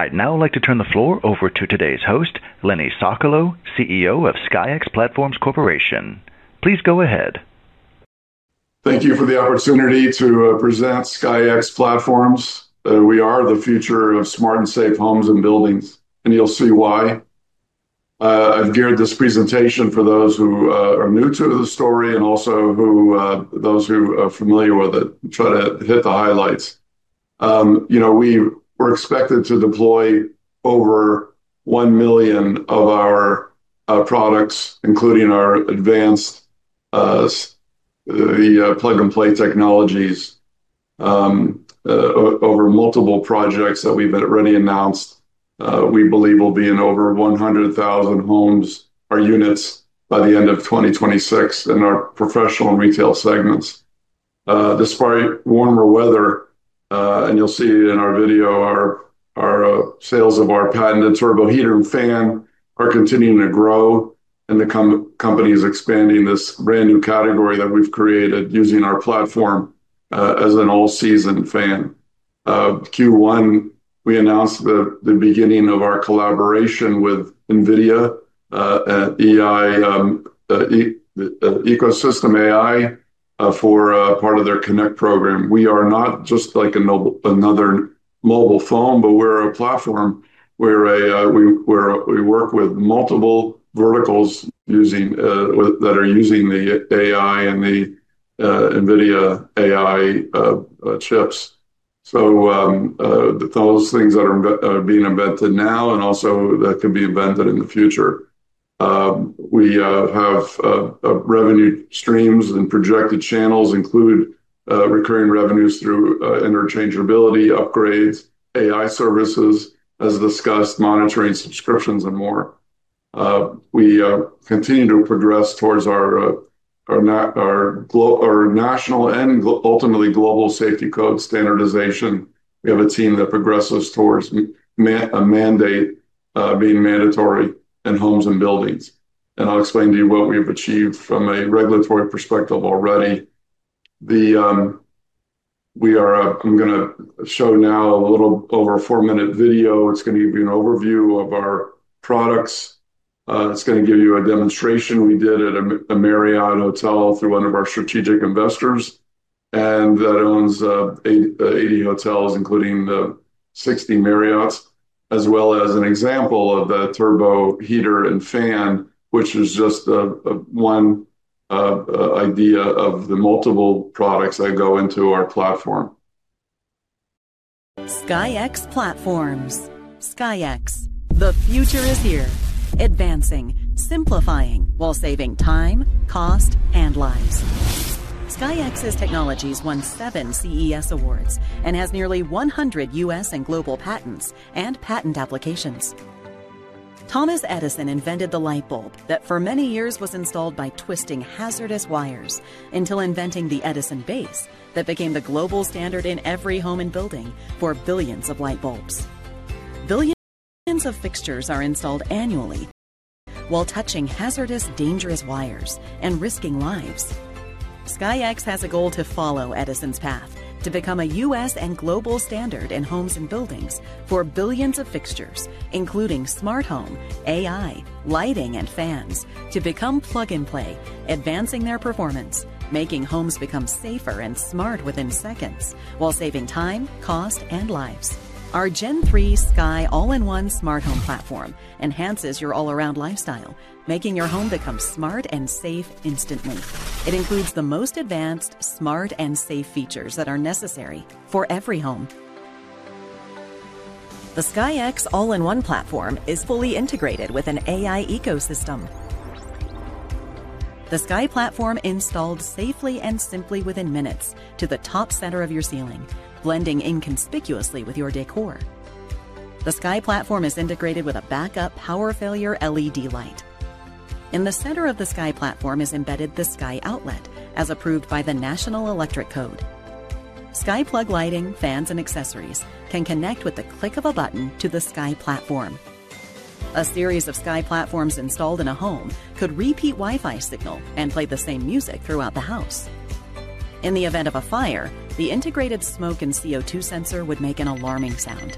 I'd now like to turn the floor over to today's host, Leonard Sokolow, CEO of SKYX Platforms Corp. Please go ahead. Thank you for the opportunity to present SKYX Platforms. We are the future of smart and safe homes and buildings. You'll see why. I've geared this presentation for those who are new to the story and also those who are familiar with it, try to hit the highlights. We're expected to deploy over 1 million of our products, including our advanced plug-and-play technologies, over multiple projects that we've already announced. We believe we'll be in over 100,000 homes or units by the end of 2026 in our professional and retail segments. Despite warmer weather, you'll see in our video, our sales of our patented SKYFAN & TURBO HEATER are continuing to grow. The company is expanding this brand new category that we've created using our platform as an all-season fan. Q1, we announced the beginning of our collaboration with NVIDIA at Ecosystem AI for part of their NVIDIA Connect Program. We are not just like another mobile phone, but we're a platform where we work with multiple verticals that are using the AI and the NVIDIA AI chips. Those things that are being invented now and also that can be invented in the future. We have revenue streams and projected channels include recurring revenues through interchangeability upgrades, AI services, as discussed, monitoring subscriptions, and more. We continue to progress towards our national and ultimately global safety code standardization. We have a team that progresses towards a mandate, being mandatory in homes and buildings. I'll explain to you what we've achieved from a regulatory perspective already. I'm going to show now a little over a four-minute video. It's going to give you an overview of our products. It's going to give you a demonstration we did at a Marriott hotel through one of our strategic investors, that owns 80 hotels, including 60 Marriotts, as well as an example of that SKYFAN & TURBO HEATER, which is just one idea of the multiple products that go into our platform. SKYX Platforms. SKYX, the future is here. Advancing, simplifying, while saving time, cost, and lives. SKYX's technologies won seven CES awards and has nearly 100 U.S. and global patents and patent applications. Thomas Edison invented the light bulb that for many years was installed by twisting hazardous wires until inventing the Edison base that became the global standard in every home and building for billions of light bulbs. Billions of fixtures are installed annually while touching hazardous, dangerous wires and risking lives. SKYX has a goal to follow Edison's path to become a U.S. and global standard in homes and buildings for billions of fixtures, including smart home, AI, lighting, and fans, to become plug-and-play, advancing their performance, making homes become safer and smart within seconds while saving time, cost, and lives. Our Gen 3 Sky all-in-one smart home platform enhances your all-around lifestyle, making your home become smart and safe instantly. It includes the most advanced, smart, and safe features that are necessary for every home. The SKYX all-in-one platform is fully integrated with an AI ecosystem. The Sky Platform installed safely and simply within minutes to the top center of your ceiling, blending inconspicuously with your decor. The Sky Platform is integrated with a backup power failure LED light. In the center of the Sky Platform is embedded the Sky Outlet, as approved by the National Electrical Code. SkyPlug lighting, fans, and accessories can connect with the click of a button to the Sky Platform. A series of Sky Platforms installed in a home could repeat Wi-Fi signal and play the same music throughout the house. In the event of a fire, the integrated smoke and CO2 sensor would make an alarming sound.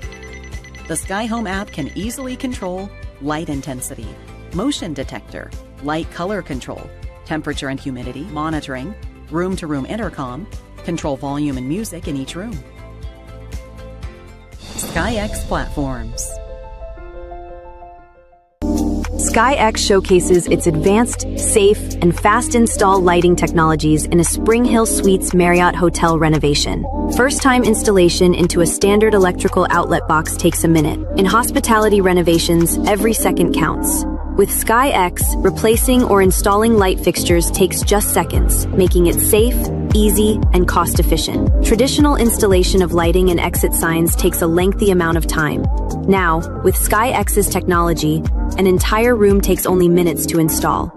The SkyHome app can easily control light intensity, motion detector, light color control, temperature and humidity monitoring, room-to-room intercom, control volume and music in each room. SKYX Platforms. SKYX showcases its advanced, safe, and fast install lighting technologies in a SpringHill Suites Marriott hotel renovation. First-time installation into a standard electrical outlet box takes a minute. In hospitality renovations, every second counts. With SKYX, replacing or installing light fixtures takes just seconds, making it safe, easy, and cost-efficient. Traditional installation of lighting and exit signs takes a lengthy amount of time. With SKYX's technology, an entire room takes only minutes to install.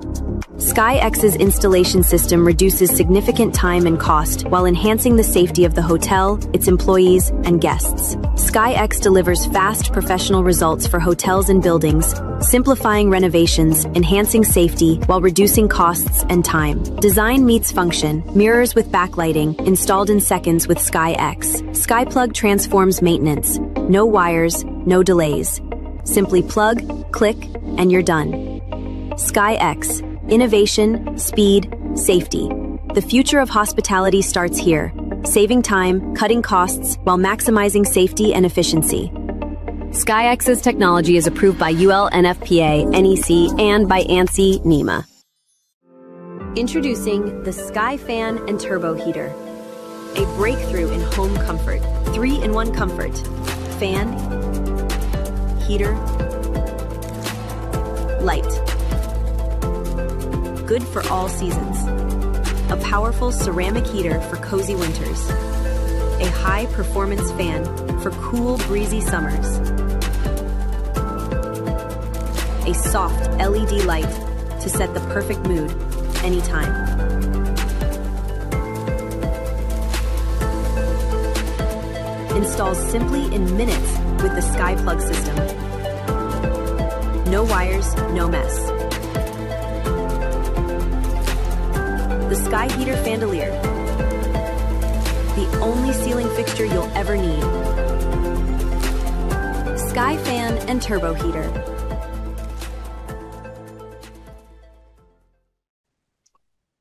SKYX's installation system reduces significant time and cost while enhancing the safety of the hotel, its employees, and guests. SKYX delivers fast, professional results for hotels and buildings, simplifying renovations, enhancing safety, while reducing costs and time. Design meets function. Mirrors with backlighting installed in seconds with SKYX. SkyPlug transforms maintenance. No wires, no delays. Simply plug, click, and you're done. SKYX. Innovation. Speed. Safety. The future of hospitality starts here. Saving time, cutting costs while maximizing safety and efficiency. SKYX's technology is approved by UL, NFPA, NEC, and by ANSI/NEMA. Introducing the SKYFAN & TURBO HEATER, a breakthrough in home comfort. Three-in-one comfort. Fan, heater, light. Good for all seasons. A powerful ceramic heater for cozy winters. A high performance fan for cool, breezy summers. A soft LED light to set the perfect mood anytime. Installs simply in minutes with the SkyPlug system. No wires, no mess. The SKYFAN & TURBO HEATER. The only ceiling fixture you'll ever need. SKYFAN & TURBO HEATER.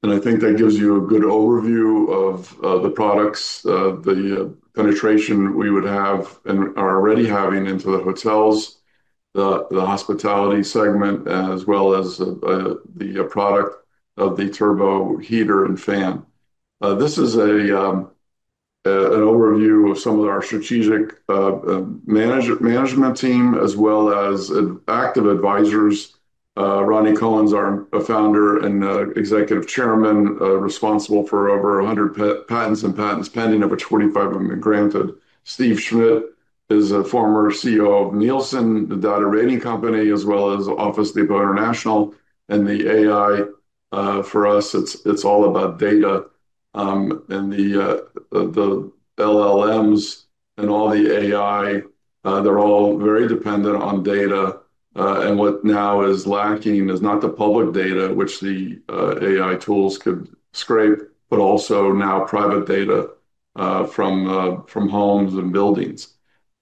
I think that gives you a good overview of the products, the penetration we would have and are already having into the hotels, the hospitality segment, as well as the product of the turbo heater and fan. This is an overview of some of our strategic management team, as well as active advisors. Rani Kohen's our founder and executive chairman, responsible for over 100 patents and patents pending, over 45 of them been granted. Steven Schmidt is a former CEO of Nielsen, the data rating company, as well as Office Depot International, and the AI. For us, it's all about data, and the LLMs and all the AI, they're all very dependent on data. What now is lacking is not the public data which the AI tools could scrape, but also now private data from homes and buildings.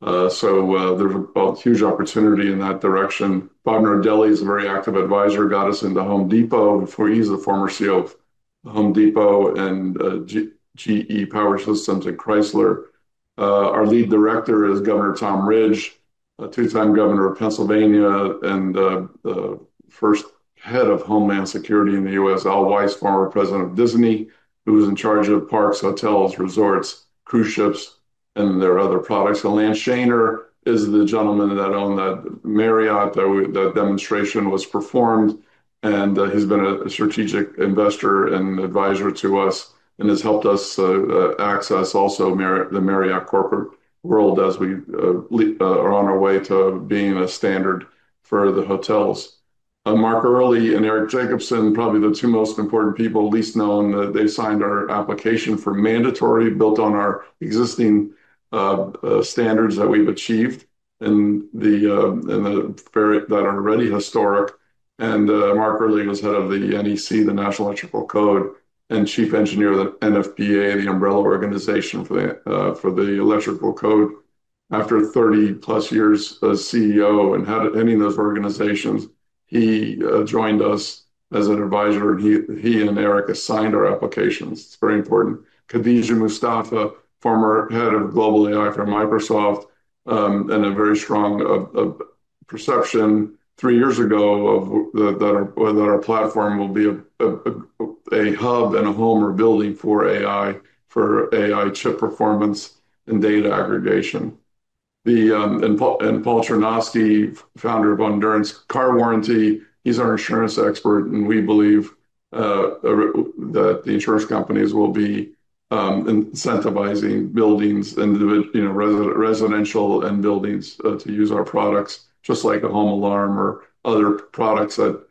There's a huge opportunity in that direction. Bob Nardelli is a very active advisor, got us into Home Depot. He's the former CEO of Home Depot and GE Power Systems at Chrysler. Our lead director is Governor Tom Ridge, a two-time governor of Pennsylvania and the first head of Homeland Security in the U.S. Al Weiss, former president of Disney, who was in charge of parks, hotels, resorts, cruise ships, and their other products. Lance Shaner is the gentleman that owned that Marriott, that demonstration was performed, and he's been a strategic investor and advisor to us and has helped us access also the Marriott corporate world as we are on our way to being a standard for the hotels. Mark Earley and Eric Jacobson, probably the two most important people, least known, they signed our application for mandatory, built on our existing standards that we've achieved that are already historic. Mark Earley was head of the NEC, the National Electrical Code, and chief engineer of the NFPA, the umbrella organization for the Electrical Code. After 30+ years as CEO and heading those organizations, he joined us as an advisor, and he and Eric assigned our applications. It's very important. Khadija Mustafa, former head of Global AI from Microsoft, and a very strong perception three years ago that our platform will be a hub and a home or building for AI chip performance and data aggregation. Paul Chernawsky, founder of Endurance Car Warranty, he's our insurance expert, and we believe that the insurance companies will be incentivizing buildings, residential and buildings to use our products, just like a home alarm or other products that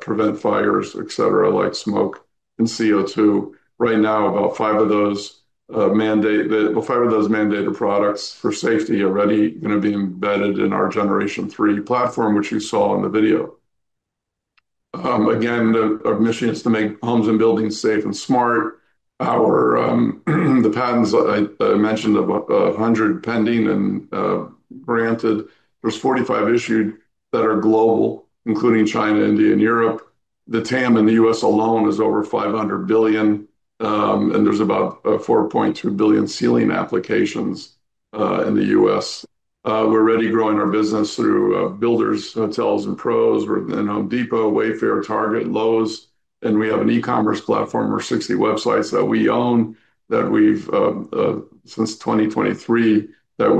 prevent fires, et cetera, like smoke and CO2. Right now, about five of those mandated products for safety are ready, going to be embedded in our Generation 3 platform, which you saw in the video. Our mission is to make homes and buildings safe and smart. The patents I mentioned, 100 pending and granted. There's 45 issued that are global, including China, India and Europe. The TAM in the U.S. alone is over $500 billion. There's about 4.2 billion ceiling applications in the U.S. We're already growing our business through builders, hotels, and pros. We're in The Home Depot, Wayfair, Target, Lowe's, and we have an e-commerce platform or 60 websites that we own since 2023 that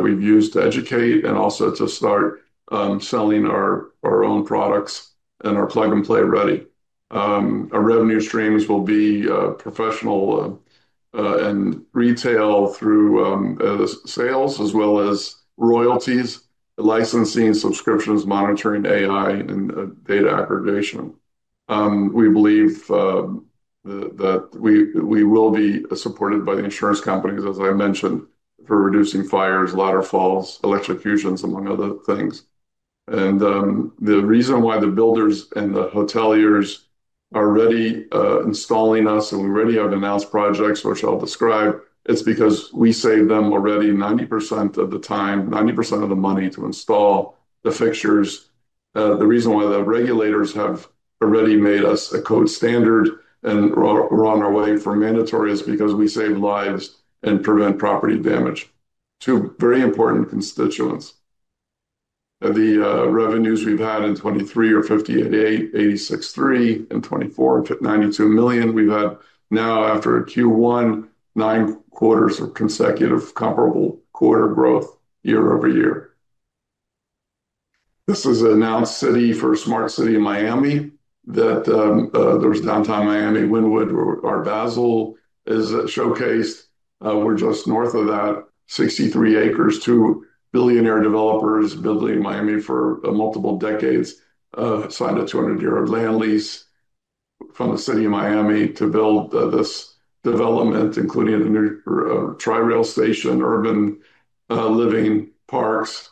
we've used to educate and also to start selling our own products and are plug-and-play ready. Our revenue streams will be professional and retail through the sales as well as royalties, licensing, subscriptions, monitoring, AI, and data aggregation. We believe that we will be supported by the insurance companies, as I mentioned, for reducing fires, ladder falls, electrocutions, among other things. The reason why the builders and the hoteliers Already installing us, and we already have announced projects which I'll describe. It's because we save them already 90% of the time, 90% of the money to install the fixtures. The reason why the regulators have already made us a code standard and we're on our way for mandatory is because we save lives and prevent property damage. Two very important constituents. The revenues we've had in 2023 are $58.8 million, $86.3 million in 2024, $92 million. We've had now, after a Q1, 9 quarters of consecutive comparable quarter growth year-over-year. This is an announced city for a smart city in Miami that there's downtown Miami, Wynwood, where Art Basel is showcased. We're just north of that 63 acres. Two billionaire developers building in Miami for multiple decades signed a 200-year land lease from the city of Miami to build this development, including a new Tri-Rail station, urban living parks.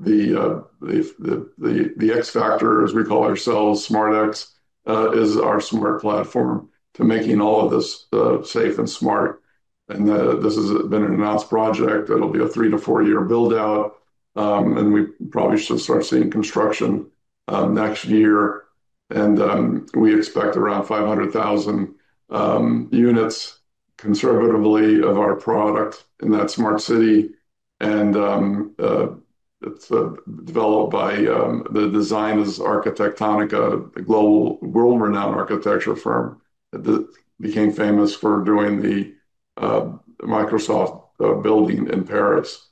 The X factor, as we call ourselves, Smart X, is our smart platform to making all of this safe and smart. This has been an announced project. It'll be a three to four-year build-out. We probably should start seeing construction next year. We expect around 500,000 units conservatively of our product in that smart city. It's developed by, the design is Arquitectonica, a world-renowned architecture firm that became famous for doing the Microsoft building in Paris.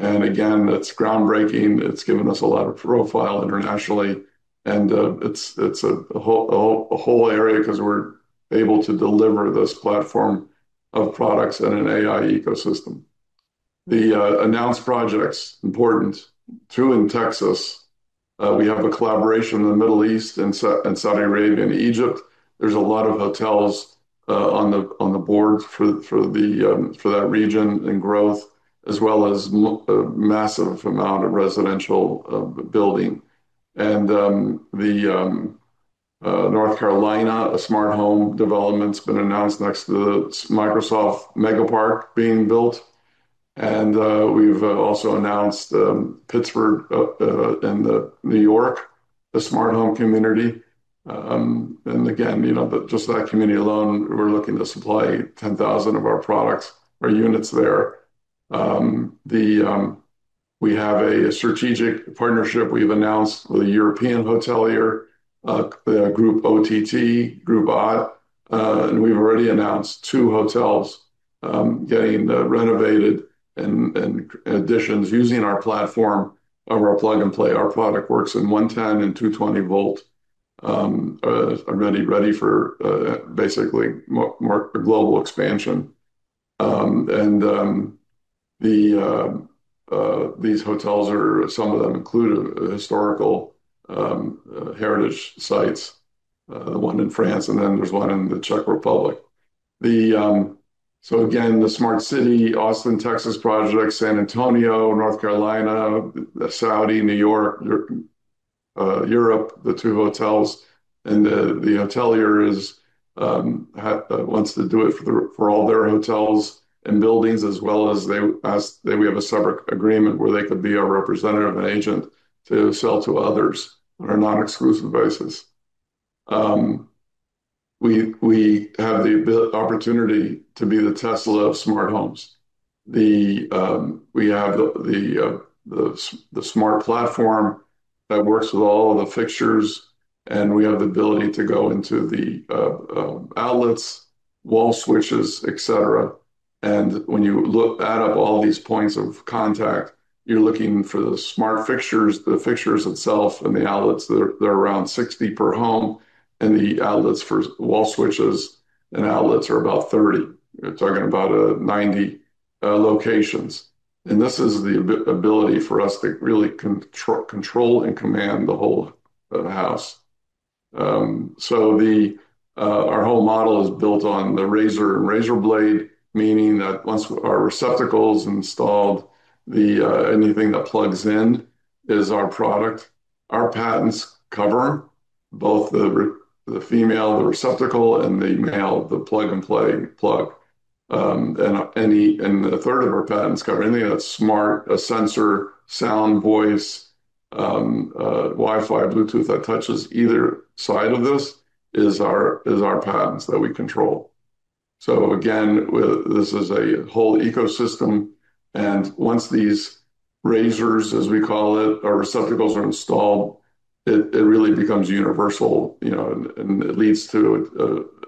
Again, it's groundbreaking. It's given us a lot of profile internationally. It's a whole area because we're able to deliver this platform of products in an Ecosystem AI. The announced projects, important, two in Texas. We have a collaboration in the Middle East and Saudi Arabia and Egypt. There's a lot of hotels on the board for that region and growth, as well as a massive amount of residential building. The North Carolina smart home development's been announced next to the Microsoft mega park being built. We've also announced Pittsburgh and New York, the smart home community. Again, just that community alone, we're looking to supply 10,000 of our products or units there. We have a strategic partnership we've announced with a European hotelier, Group Ott. We've already announced two hotels getting renovated and additions using our platform of our plug-and-play. Our product works in 110 and 220 volt, are ready for basically global expansion. These hotels, some of them include historical heritage sites, one in France, then there is one in the Czech Republic. The Smart City, Austin, Texas project, San Antonio, North Carolina, Saudi, New York, Europe, the two hotels. The hotelier wants to do it for all their hotels and buildings, as well as we have a separate agreement where they could be a representative, an agent to sell to others on a non-exclusive basis. We have the opportunity to be the Tesla of smart homes. We have the smart platform that works with all of the fixtures, and we have the ability to go into the outlets, wall switches, et cetera. When you add up all these points of contact, you are looking for the smart fixtures, the fixtures itself, and the outlets. They are around 60 per home, and the outlets for wall switches and outlets are about 30. You are talking about 90 locations. This is the ability for us to really control and command the whole house. Our whole model is built on the razor and razor blade, meaning that once our receptacle is installed, anything that plugs in is our product. Our patents cover both the female, the receptacle, and the male, the plug-and-play plug. A third of our patents cover anything that is smart, a sensor, sound, voice, Wi-Fi, Bluetooth, that touches either side of this is our patents that we control. Again, this is a whole ecosystem, and once these razors, as we call it, our receptacles are installed, it really becomes universal, and it leads to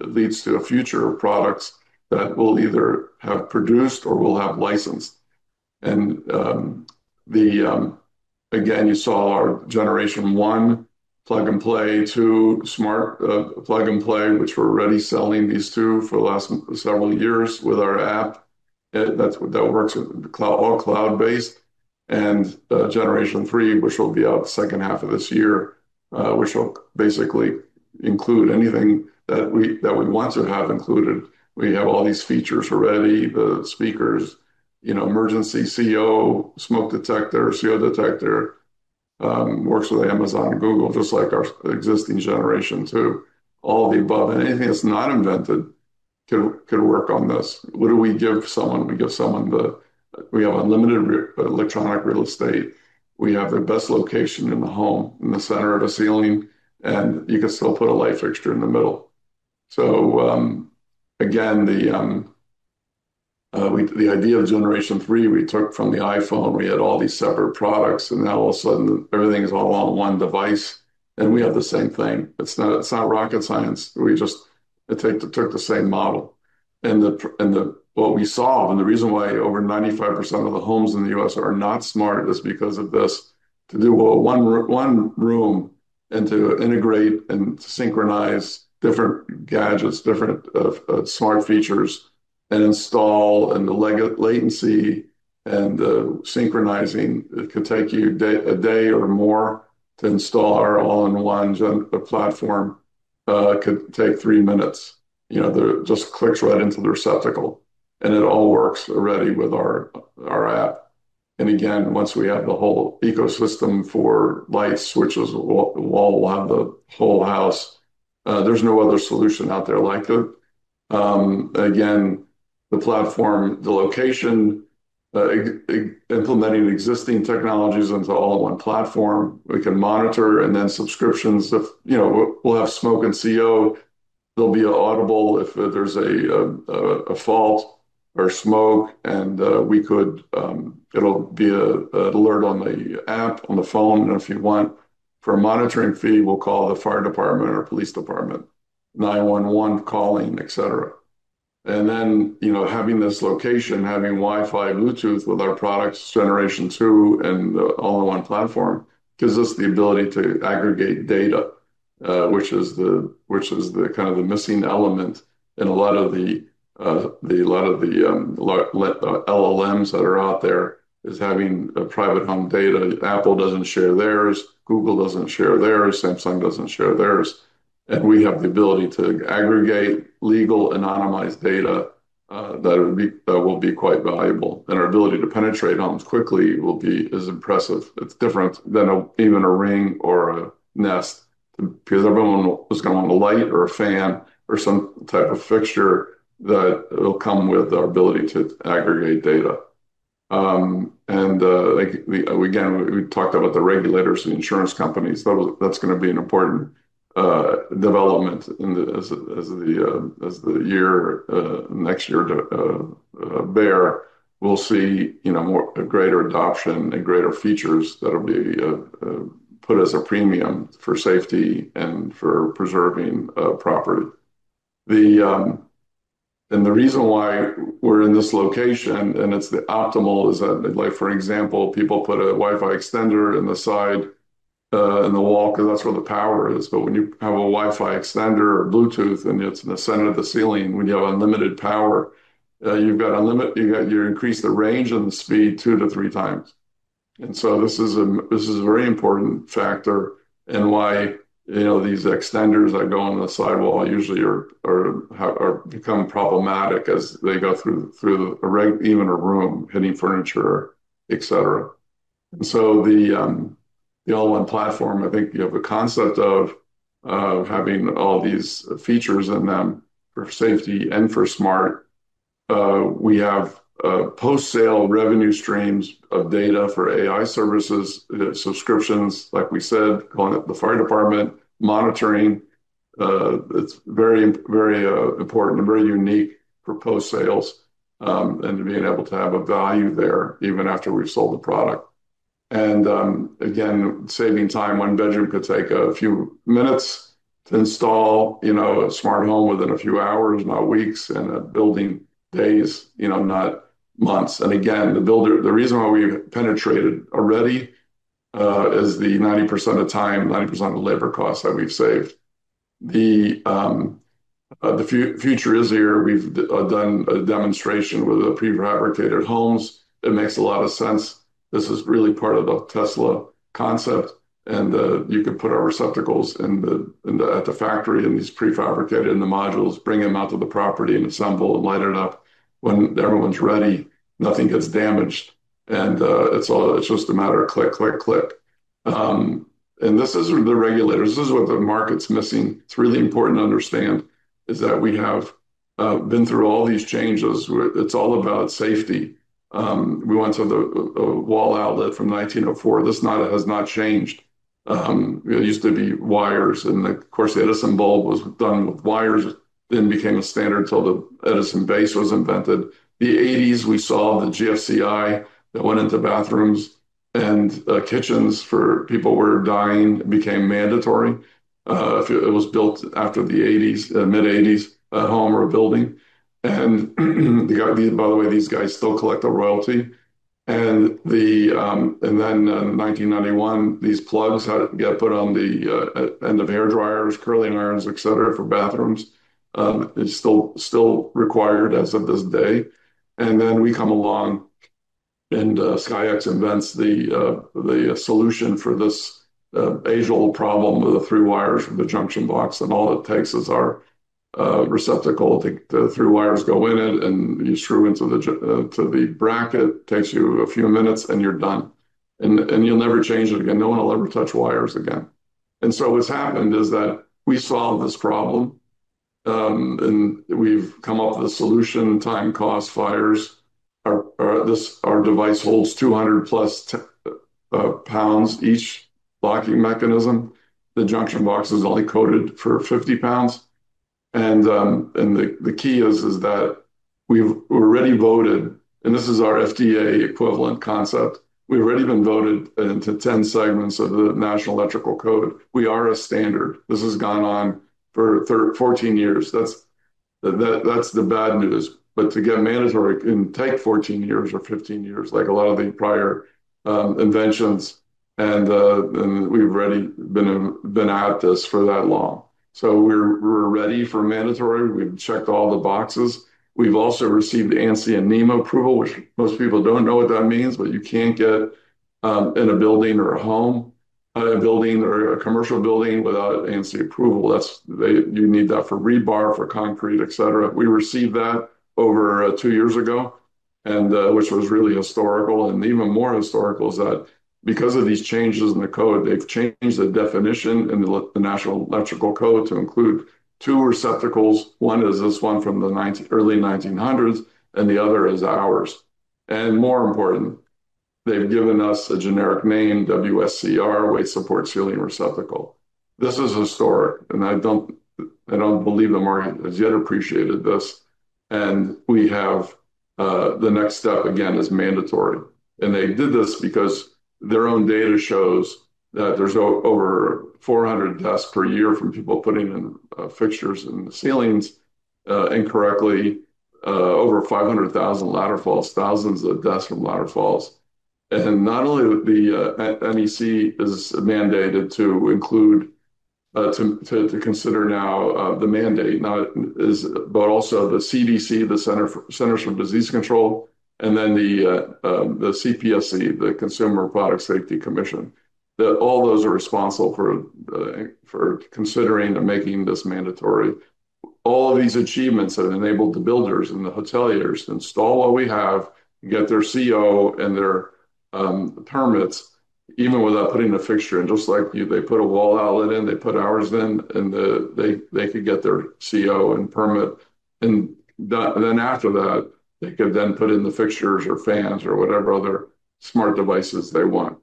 a future of products that we will either have produced or will have licensed. Again, you saw our generation 1 plug-and-play, 2 smart plug-and-play, which we are already selling these two for the last several years with our app. That works all cloud-based. Generation 3, which will be out the second half of this year, which will basically include anything that we want to have included. We have all these features already, the speakers emergency CO smoke detector, CO detector works with Amazon and Google, just like our existing generation 2. All of the above and anything that is not invented could work on this. What do we give someone? We give someone the. We have unlimited electronic real estate. We have the best location in the home, in the center of the ceiling, and you can still put a light fixture in the middle. Again, the idea of generation 3 we took from the iPhone. Now all of a sudden everything is all on one device, and we have the same thing. It is not rocket science. We just took the same model. What we solve, and the reason why over 95% of the homes in the U.S. are not smart is because of this. To do one room and to integrate and synchronize different gadgets, different smart features and install, and the latency and the synchronizing, it could take you a day or more to install. Our all-in-one platform could take 3 minutes. Just clicks right into the receptacle, and it all works already with our app. Again, once we have the whole ecosystem for light switches, we will have the whole house. There is no other solution out there like it. Again, the platform, the location, implementing existing technologies into all-in-one platform. We can monitor. We'll have smoke and CO. There'll be an audible if there's a fault or smoke and it'll be an alert on the app, on the phone. If you want, for a monitoring fee, we'll call the fire department or police department, 911 calling, et cetera. Having this location, having Wi-Fi and Bluetooth with our products generation 2 and the all-in-one platform gives us the ability to aggregate data which is the missing element in a lot of the LLMs that are out there is having private home data. Apple doesn't share theirs, Google doesn't share theirs, Samsung doesn't share theirs. We have the ability to aggregate legal anonymized data that will be quite valuable. Our ability to penetrate homes quickly will be as impressive. It's different than even a Ring or a Nest because everyone is going to want a light or a fan or some type of fixture that it'll come with our ability to aggregate data. Again, we talked about the regulators and insurance companies. That's going to be an important development as the year, next year bear. We'll see a greater adoption and greater features that'll be put as a premium for safety and for preserving property. The reason why we're in this location and it's the optimal is that, like for example, people put a Wi-Fi extender in the side in the wall because that's where the power is. When you have a Wi-Fi extender or Bluetooth and it's in the center of the ceiling, when you have unlimited power you increase the range and the speed two to three times. This is a very important factor in why these extenders that go on the sidewall usually become problematic as they go through even a room hitting furniture, et cetera. The all-in-one platform, I think you have a concept of having all these features in them for safety and for smart. We have post-sale revenue streams of data for AI services, subscriptions, like we said, calling up the fire department, monitoring. It's very important and very unique for post-sales, and to being able to have a value there even after we've sold the product. Again, saving time. One bedroom could take a few minutes to install a smart home within a few hours, not weeks. A building, days not months. Again, the reason why we've penetrated already is the 90% of the time, 90% of the labor costs that we've saved. The future is here. We've done a demonstration with the prefabricated homes. It makes a lot of sense. This is really part of the Tesla concept. You could put our receptacles at the factory in these prefabricated, in the modules, bring them out to the property and assemble and light it up when everyone's ready. Nothing gets damaged. It's just a matter of click, click. This is the regulators, this is what the market's missing. It's really important to understand is that we have been through all these changes where it's all about safety. We went to the wall outlet from 1904. This has not changed. It used to be wires. Of course, the Edison bulb was done with wires, then became a standard till the Edison base was invented. The '80s we saw the GFCI that went into bathrooms and kitchens for people were dying became mandatory. If it was built after the mid-'80s, a home or a building. By the way, these guys still collect a royalty. In 1991, these plugs had to get put on the end of hairdryers, curling irons, et cetera, for bathrooms. It's still required as of this day. We come along. SKYX invents the solution for this age-old problem with the three wires from the junction box, and all it takes is our receptacle. The three wires go in it, and you screw into the bracket, takes you a few minutes, and you're done. You'll never change it again. No one will ever touch wires again. What's happened is that we solved this problem, and we've come up with a solution, time, cost, fires. Our device holds 200-plus pounds each locking mechanism. The junction box is only coded for 50 pounds. The key is that we've already voted, and this is our FDA equivalent concept. We've already been voted into 10 segments of the National Electrical Code. We are a standard. This has gone on for 14 years. That's the bad news. To get mandatory can take 14 years or 15 years, like a lot of the prior inventions, and we've already been at this for that long. We're ready for mandatory. We've checked all the boxes. We've also received ANSI and NEMA approval, which most people don't know what that means, but you can't get in a building or a home, a building or a commercial building without ANSI approval. You need that for rebar, for concrete, et cetera. We received that over two years ago, and which was really historical, and even more historical is that because of these changes in the code, they've changed the definition in the National Electrical Code to include two receptacles. One is this one from the early 1900s, and the other is ours. More important, they've given us a generic name, WSCR, Weight Support Ceiling Receptacle. This is historic, and I don't believe the market has yet appreciated this. We have, the next step, again, is mandatory. They did this because their own data shows that there's over 400 deaths per year from people putting in fixtures in the ceilings incorrectly, over 500,000 ladder falls, thousands of deaths from ladder falls. Not only the NEC is mandated to include, to consider now the mandate, but also the CDC, the Centers for Disease Control, and then the CPSC, the Consumer Product Safety Commission, that all those are responsible for considering and making this mandatory. All of these achievements have enabled the builders and the hoteliers to install what we have, get their CO and their permits, even without putting a fixture in. Just like you, they put a wall outlet in, they put ours in, and they could get their CO and permit. After that, they could then put in the fixtures or fans or whatever other smart devices they want.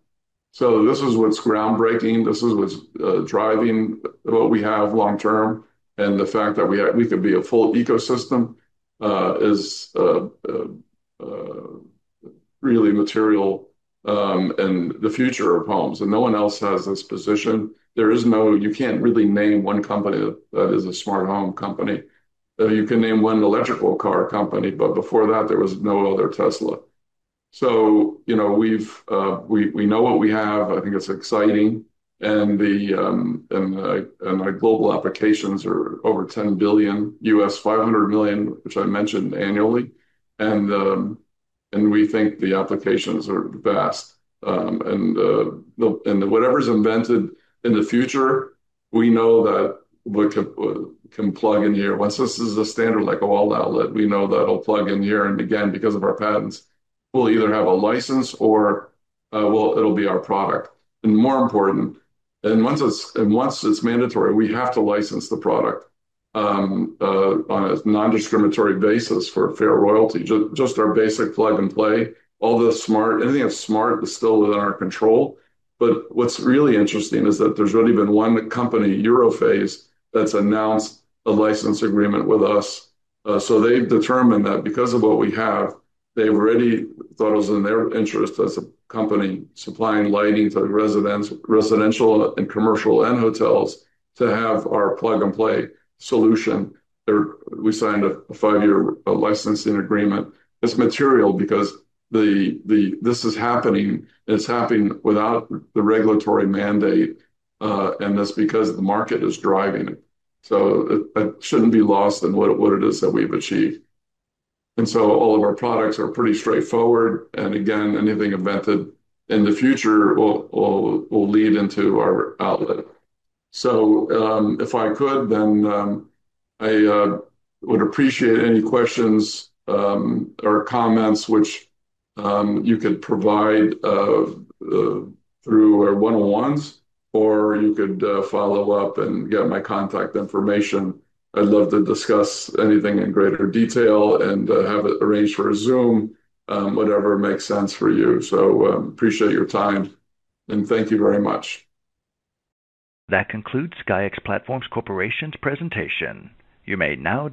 This is what's groundbreaking, this is what's driving what we have long term. The fact that we could be a full ecosystem is really material in the future of homes. No one else has this position. You can't really name one company that is a smart home company. You can name one electrical car company, but before that, there was no other Tesla. We know what we have. I think it's exciting. Our global applications are over $10 billion, U.S. $500 million, which I mentioned annually. We think the applications are vast. Whatever's invented in the future, we know that we can plug in here. Once this is a standard, like a wall outlet, we know that'll plug in here. Again, because of our patents, we'll either have a license or, well, it'll be our product. Once it's mandatory, we have to license the product on a non-discriminatory basis for fair royalty. Just our basic plug and play. Anything that's smart is still within our control. What's really interesting is that there's only been one company, Eurofase, that's announced a license agreement with us. They've determined that because of what we have, they've already thought it was in their interest as a company supplying lighting to residential and commercial and hotels to have our plug and play solution. We signed a five-year licensing agreement. It's material because this is happening, and it's happening without the regulatory mandate, and that's because the market is driving it. It shouldn't be lost in what it is that we've achieved. All of our products are pretty straightforward. Again, anything invented in the future will lead into our outlet. If I could, then I would appreciate any questions or comments which you could provide through our one-on-ones, or you could follow up and get my contact information. I'd love to discuss anything in greater detail and have it arranged for a Zoom, whatever makes sense for you. Appreciate your time, and thank you very much. That concludes SKYX Platforms Corp.'s presentation. You may now dis-